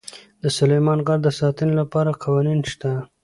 د سلیمان غر د ساتنې لپاره قوانین شته.